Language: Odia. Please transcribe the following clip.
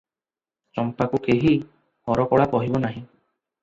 ଚମ୍ପାକୁ କେହି ହରକଳା କହିବ ନାହିଁ ।"